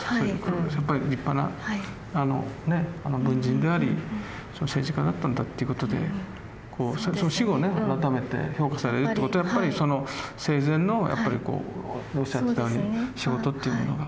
やっぱり立派な文人であり政治家だったんだっていうことでその死後ね改めて評価されるってことはやっぱり生前のやっぱりおっしゃってたように仕事っていうものが。